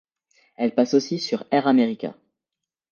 Elle passe aussi sur Air America.